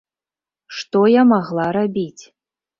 Што я магла рабіць?